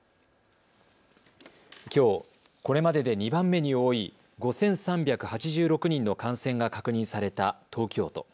きょう、これまでで２番目に多い５３８６人の感染が確認された東京都。